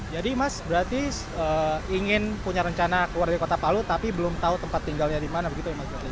jadi mas berarti ingin punya rencana keluar dari kota palu tapi belum tahu tempat tinggalnya di mana begitu mas